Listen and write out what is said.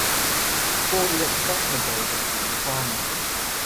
Before he went in professional politics he was a farmer.